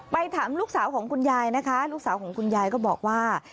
ถามลูกสาวของคุณยายนะคะลูกสาวของคุณยายก็บอกว่า